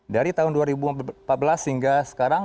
dari tahun dua ribu empat belas hingga sekarang